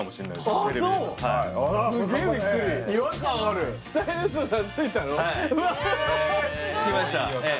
すごいつきましたええ